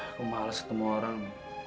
aku males ketemu orang